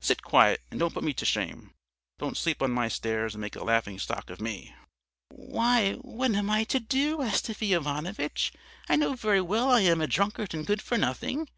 Sit quiet and don't put me to shame, don't sleep on my stairs and make a laughing stock of me.' "'Why, what am I to do, Astafy Ivanovitch? I know very well I am a drunkard and good for nothing!